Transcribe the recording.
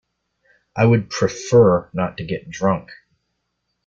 I would prefer not to get drunk.